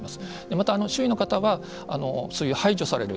また周囲の方はそういう排除される